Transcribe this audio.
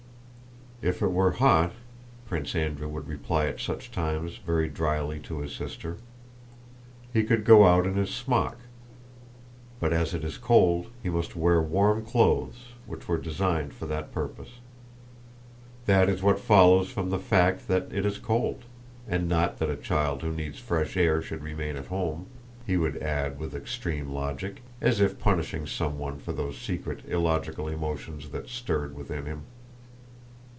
"If it were hot," Prince Andrew would reply at such times very dryly to his sister, "he could go out in his smock, but as it is cold he must wear warm clothes, which were designed for that purpose. That is what follows from the fact that it is cold; and not that a child who needs fresh air should remain at home," he would add with extreme logic, as if punishing someone for those secret illogical emotions that stirred within him.